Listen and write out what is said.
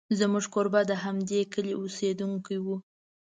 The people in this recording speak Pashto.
زموږ کوربه د همدې کلي اوسېدونکی و.